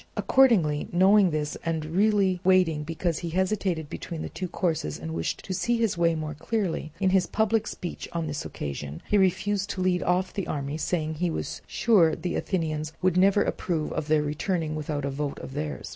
Accordingly, knowing this and really waiting because he hesitated between the two courses and wished to see his way more clearly, in his public speech on this occasion he refused to lead off the army, saying he was sure the Athenians would never approve of their returning without a vote of theirs.